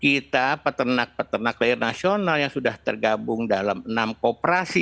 kita peternak peternak layar nasional yang sudah tergabung dalam enam kooperasi